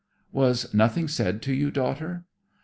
"Was nothing said to you, daughter?"